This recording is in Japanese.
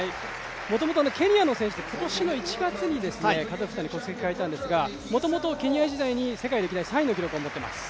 もともとケニアの選手で今年の１月にカザフスタンに国籍を変えたんですが、元々ケニア時代に世界歴代３位の記録を持っています